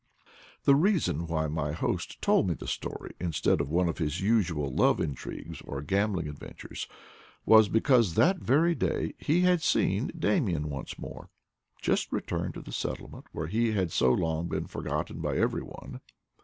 The reason why my host told me this story in stead of one of his usual love intrigues or gam bling adventures was because that very day he had seen Damian once more, just returned to the settlement where he had so long been forgotten by every one.